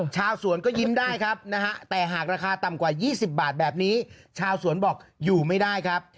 ชาวสวนก็ยิ้มได้ครับนะฮะแต่หากราคาต่ำกว่า๒๐บาทแบบนี้ชาวสวนบอกอยู่ไม่ได้ครับ